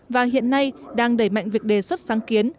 và hiện nay đang đẩy mạnh việc đề xuất sáng kiến